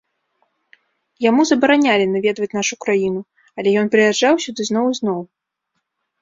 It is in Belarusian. Яму забаранялі наведваць нашу краіну, але ён прыязджаў сюды зноў і зноў.